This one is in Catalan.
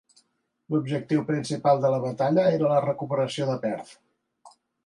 L'objectiu principal de la batalla era la recuperació de Perth.